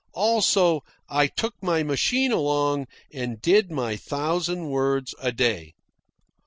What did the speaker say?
Also, I took my machine along and did my thousand words a day.